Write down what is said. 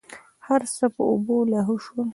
هرڅه په اوبو لاهو سول.